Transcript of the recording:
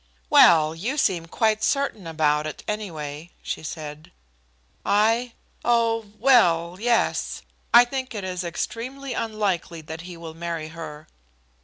"Well, you seem quite certain about it, any way," she said. "I? Oh well, yes. I think it is extremely unlikely that he will marry her."